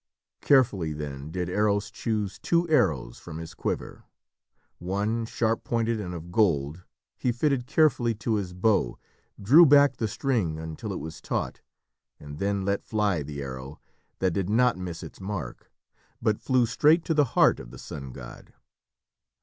Carefully, then, did Eros choose two arrows from his quiver. One, sharp pointed and of gold, he fitted carefully to his bow, drew back the string until it was taut, and then let fly the arrow, that did not miss its mark, but flew straight to the heart of the sun god.